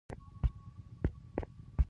راکټ د راتلونکي ساینس هنداره ده